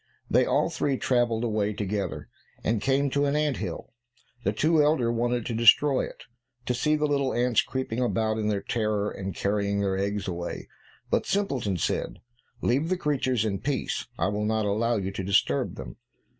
They all three travelled away together, and came to an ant hill. The two elder wanted to destroy it, to see the little ants creeping about in their terror, and carrying their eggs away, but Simpleton said, "Leave the creatures in peace; I will not allow you to disturb them."